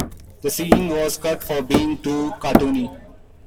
The scene was cut for being too cartoony.